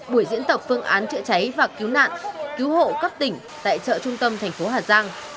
buổi diễn tập phương án chữa cháy và cứu nạn cứu hộ cấp tỉnh tại chợ trung tâm thành phố hà giang